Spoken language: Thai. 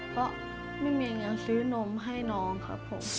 เพราะไม่มีเงินซื้อนมให้น้องครับผม